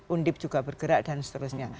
undip juga bergerak dan seterusnya